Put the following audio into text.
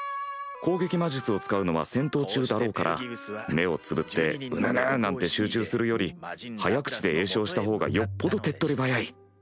攻撃魔術を使うのは戦闘中だろうから目をつぶってうぬぬなんて集中するより早口で詠唱したほうがよっぽど手っ取り早い。